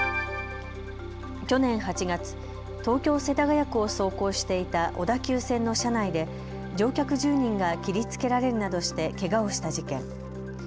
去年８月、東京世田谷区を走行していた小田急線の車内で乗客１０人が切りつけられるなどして、けがをした事件。